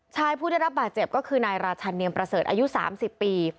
ผู้ได้รับบาดเจ็บก็คือนายราชันเนียมประเสริฐอายุ๓๐ปี